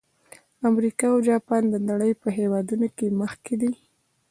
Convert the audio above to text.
امریکا او جاپان د نړۍ په هېوادونو کې مخکې دي.